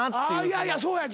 いやいやそうや。